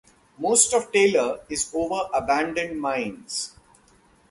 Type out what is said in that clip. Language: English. Most of Taylor is over abandoned mines.